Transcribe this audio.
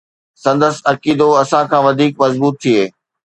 سندس عقيدو اسان کان وڌيڪ مضبوط ٿئي